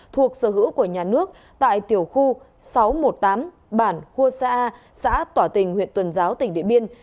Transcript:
thuộc sở hữu của nhà nước tại tiểu khu sáu trăm một mươi tám bản khu xã a xã tỏa tình huyện tuần giáo tỉnh điện biên